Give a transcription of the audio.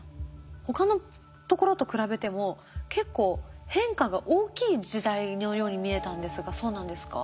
他のところと比べても結構変化が大きい時代のように見えたんですがそうなんですか？